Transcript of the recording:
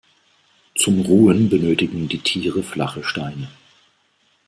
Zum Ruhen benötigen die Tiere flache Steine.